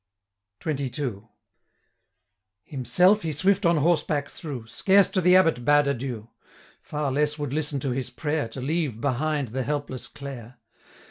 645 XXII. Himself he swift on horseback threw, Scarce to the Abbot bade adieu; Far less would listen to his prayer, To leave behind the helpless Clare.